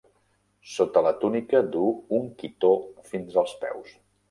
Sota la túnica duu un "quitó" fins els peus.